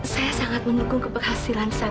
saya sangat mendukung keberhasilan saya